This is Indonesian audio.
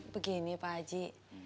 begini pak haji